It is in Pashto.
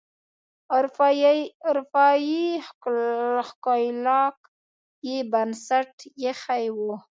اروپایي ښکېلاک یې بنسټ ایښی و.